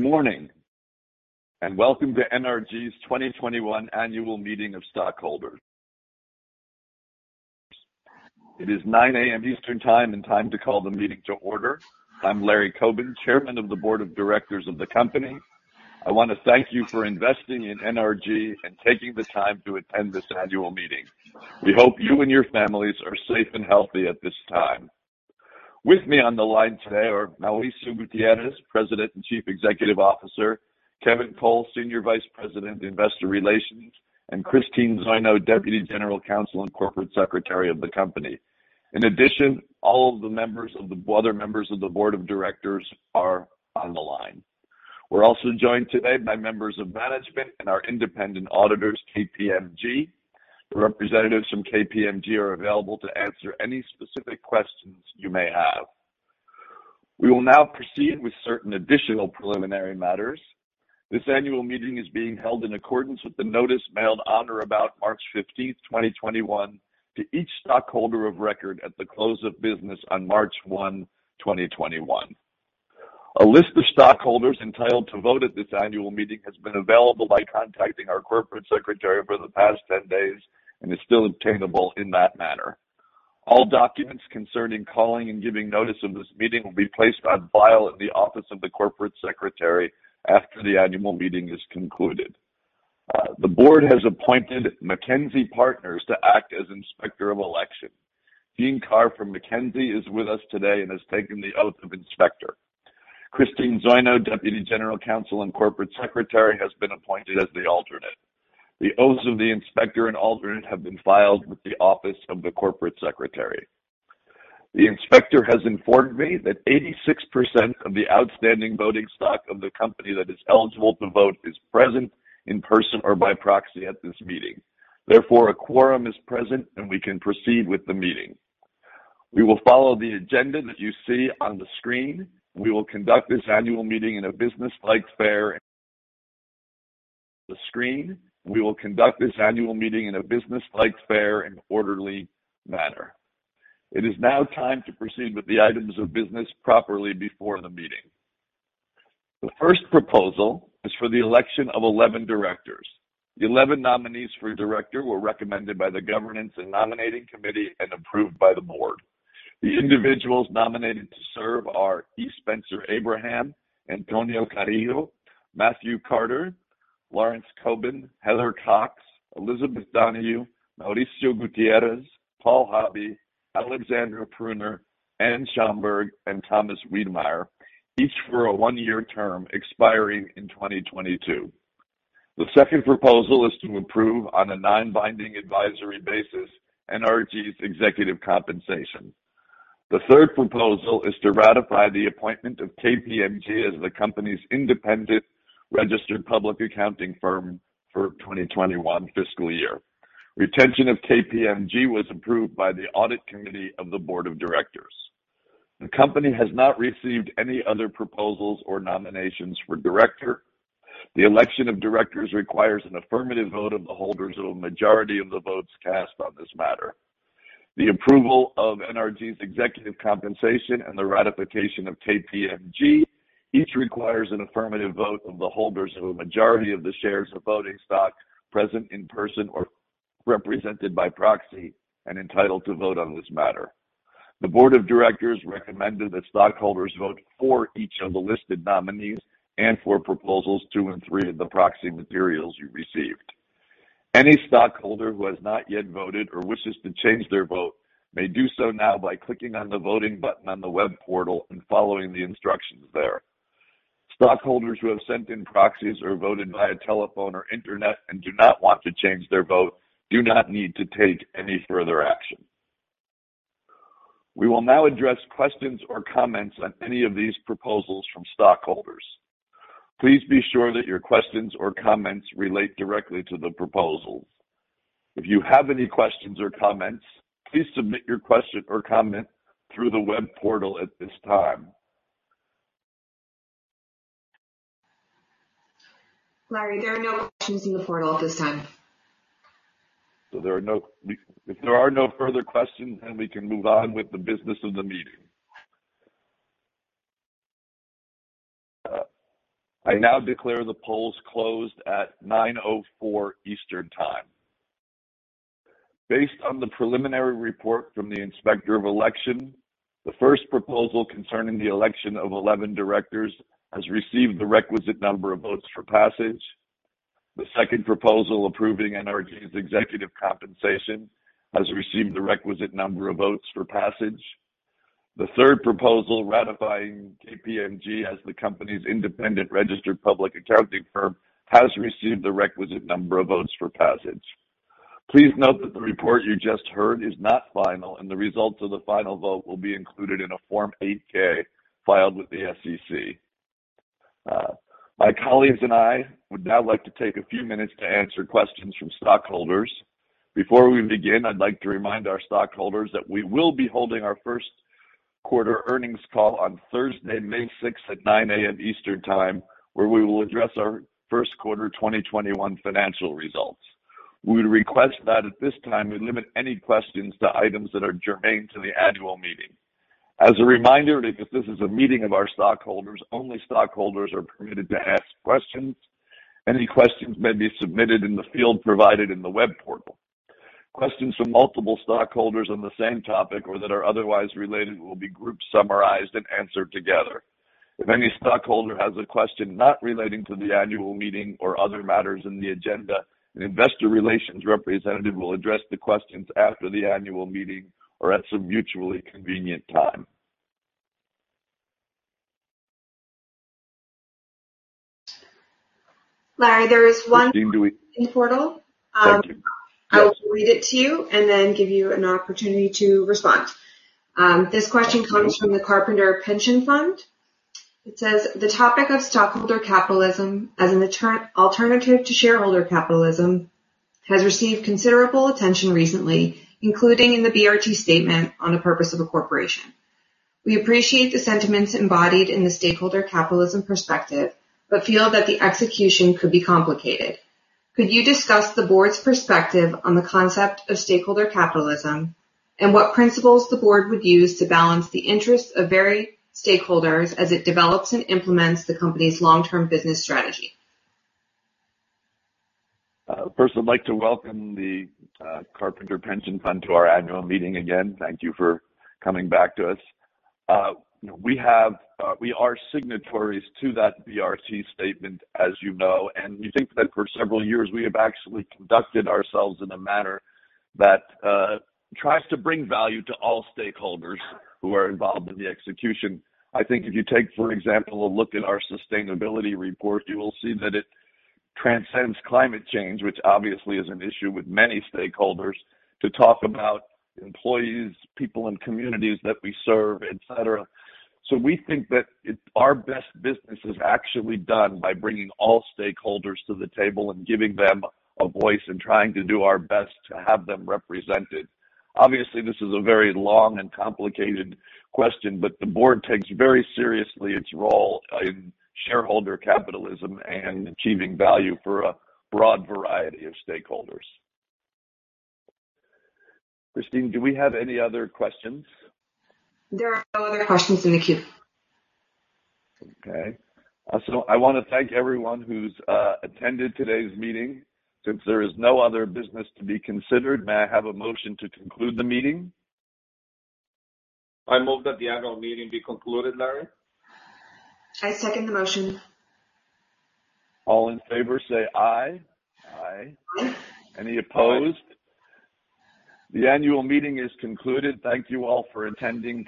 Morning, and welcome to NRG's 2021 annual meeting of stockholders. It is 9:00 A.M. Eastern Time and time to call the meeting to order. I'm Larry Coben, Chairman of the Board of Directors of the company. I want to thank you for investing in NRG and taking the time to attend this annual meeting. We hope you and your families are safe and healthy at this time. With me on the line today are Mauricio Gutierrez, President and Chief Executive Officer, Kevin Cole, Senior Vice President of Investor Relations, and Christine Zoino, Deputy General Counsel and Corporate Secretary of the company. In addition, all of the other members of the Board of Directors are on the line. We're also joined today by members of management and our independent auditors, KPMG. The representatives from KPMG are available to answer any specific questions you may have. We will now proceed with certain additional preliminary matters. This annual meeting is being held in accordance with the notice mailed on or about March 15th, 2021, to each stockholder of record at the close of business on March 1, 2021. A list of stockholders entitled to vote at this annual meeting has been available by contacting our Corporate Secretary over the past 10 days and is still obtainable in that manner. All documents concerning calling and giving notice of this meeting will be placed on file at the office of the Corporate Secretary after the annual meeting is concluded. The board has appointed MacKenzie to act as Inspector of Election. Jeanne Carr from MacKenzie is with us today and has taken the oath of Inspector. Christine Zoino, Deputy General Counsel and Corporate Secretary has been appointed as the alternate. The oaths of the Inspector and alternate have been filed with the office of the Corporate Secretary. The Inspector has informed me that 86% of the outstanding voting stock of the company that is eligible to vote is present in person or by proxy at this meeting. Therefore, a quorum is present, and we can proceed with the meeting. We will follow the agenda that you see on the screen. We will conduct this annual meeting in a business-like fair and orderly manner. It is now time to proceed with the items of business properly before the meeting. The first proposal is for the election of 11 directors. The 11 nominees for director were recommended by the Governance and Nominating Committee and approved by the board. The individuals nominated to serve are E. Spencer Abraham, Antonio Carrillo, Matthew Carter, Lawrence Coben, Heather Cox, Elisabeth Donohue, Mauricio Gutierrez, Paul Hobby, Alexandra Pruner, Anne Schaumburg, and Thomas Weidemeyer, each for a one-year term expiring in 2022. The second proposal is to improve on a non-binding advisory basis NRG's executive compensation. The third proposal is to ratify the appointment of KPMG as the company's independent registered public accounting firm for the 2021 fiscal year. Retention of KPMG was approved by the Audit Committee of the board of directors. The company has not received any other proposals or nominations for director. The election of directors requires an affirmative vote of the holders of a majority of the votes cast on this matter. The approval of NRG's executive compensation and the ratification of KPMG each requires an affirmative vote of the holders of a majority of the shares of voting stock present in person or represented by proxy and entitled to vote on this matter. The board of directors recommended that stockholders vote for each of the listed nominees and for proposals two and three of the proxy materials you received. Any stockholder who has not yet voted or wishes to change their vote may do so now by clicking on the voting button on the web portal and following the instructions there. Stockholders who have sent in proxies or voted via telephone or internet and do not want to change their vote do not need to take any further action. We will now address questions or comments on any of these proposals from stockholders. Please be sure that your questions or comments relate directly to the proposals. If you have any questions or comments, please submit your question or comment through the web portal at this time. Larry, there are no questions in the portal at this time. If there are no further questions, we can move on with the business of the meeting. I now declare the polls closed at 9:04 A.M. Eastern Time. Based on the preliminary report from the Inspector of Election, the first proposal concerning the election of 11 directors has received the requisite number of votes for passage. The second proposal approving NRG's executive compensation has received the requisite number of votes for passage. The third proposal ratifying KPMG as the company's independent registered public accounting firm has received the requisite number of votes for passage. Please note that the report you just heard is not final, and the results of the final vote will be included in a Form 8-K filed with the SEC. My colleagues and I would now like to take a few minutes to answer questions from stockholders. Before we begin, I'd like to remind our stockholders that we will be holding our first quarter earnings call on Thursday, May sixth at 9:00 A.M. Eastern Time, where we will address our first quarter 2021 financial results. We would request that at this time, we limit any questions to items that are germane to the annual meeting. As a reminder, because this is a meeting of our stockholders, only stockholders are permitted to ask questions. Any questions may be submitted in the field provided in the web portal. Questions from multiple stockholders on the same topic, or that are otherwise related, will be group summarized and answered together. If any stockholder has a question not relating to the annual meeting or other matters in the agenda, an investor relations representative will address the questions after the annual meeting or at some mutually convenient time. Larry, there is one in the portal. Thank you. I will read it to you and then give you an opportunity to respond. This question comes from the Carpenter Pension Fund. It says, "The topic of stakeholder capitalism as an alternative to shareholder capitalism has received considerable attention recently, including in the BRT statement on the purpose of a corporation. We appreciate the sentiments embodied in the stakeholder capitalism perspective, but feel that the execution could be complicated. Could you discuss the board's perspective on the concept of stakeholder capitalism and what principles the board would use to balance the interests of varied stakeholders as it develops and implements the company's long-term business strategy? First, I'd like to welcome the Carpenter Pension Fund to our annual meeting. Again, thank you for coming back to us. We are signatories to that BRT statement, as you know, and we think that for several years we have actually conducted ourselves in a manner that tries to bring value to all stakeholders who are involved in the execution. I think if you take, for example, a look at our sustainability report, you will see that it transcends climate change, which obviously is an issue with many stakeholders, to talk about employees, people in communities that we serve, et cetera. We think that our best business is actually done by bringing all stakeholders to the table and giving them a voice and trying to do our best to have them represented. This is a very long and complicated question. The Board takes very seriously its role in shareholder capitalism and achieving value for a broad variety of stakeholders. Christine, do we have any other questions? There are no other questions in the queue. Okay. I want to thank everyone who's attended today's meeting. Since there is no other business to be considered, may I have a motion to conclude the meeting? I move that the annual meeting be concluded, Larry. I second the motion. All in favor say aye. Aye. Any opposed? The annual meeting is concluded. Thank you all for attending.